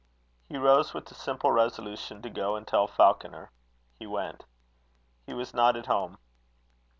He rose with the simple resolution to go and tell Falconer. He went. He was not at home.